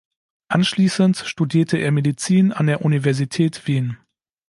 Anschließend studierte er Medizin an der Universität Wien.